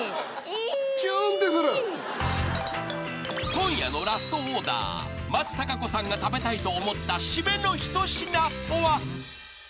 ［今夜のラストオーダー松たか子さんが食べたいと思った締めの一品とは？］